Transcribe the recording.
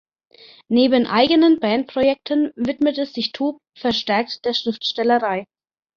Neben eigenen Bandprojekten widmete sich Toop verstärkt der Schriftstellerei.